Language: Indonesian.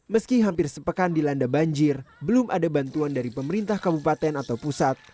meski hampir sepekan dilanda banjir belum ada bantuan dari pemerintah kabupaten atau pusat